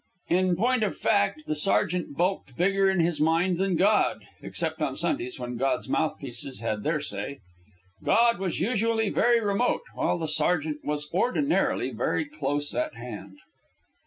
In point of fact, the sergeant bulked bigger in his mind than God, except on Sundays when God's mouthpieces had their say. God was usually very remote, while the sergeant was ordinarily very close at hand.